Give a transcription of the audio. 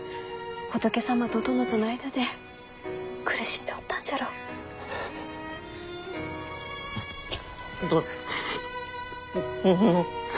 仏様と殿との間で苦しんでおったんじゃろ。との。